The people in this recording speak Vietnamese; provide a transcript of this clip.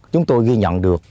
chúng tôi ghi nhận được